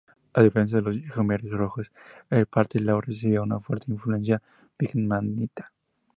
A diferencia de los Jemeres Rojos, el Pathet Lao recibía una fuerte influencia vietnamita.